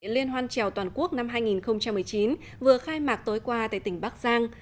liên hoan trèo toàn quốc năm hai nghìn một mươi chín vừa khai mạc tối qua tại tỉnh bắc giang